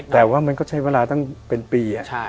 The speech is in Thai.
แต่ว่ามันก็ใช้เวลาตั้งเป็นปี